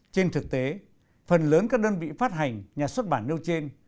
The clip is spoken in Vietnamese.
trên thực tế phần lớn các đơn vị phát hành nhà xuất bản nêu trên